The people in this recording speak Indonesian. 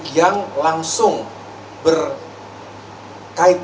yang langsung berkaitan dengan hak rakyat kita